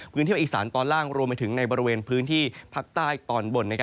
ภาคอีสานตอนล่างรวมไปถึงในบริเวณพื้นที่ภาคใต้ตอนบน